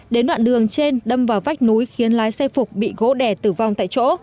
đến đoạn đường trên đâm vào vách núi khiến lái xe phục bị gỗ đẻ tử vong tại chỗ